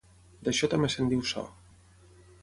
D'això també se'n diu so.